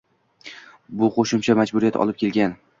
Bu qo‘shimcha majburiyat olib kelgan.